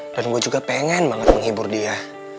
dan gue juga pengen banget menghibur dia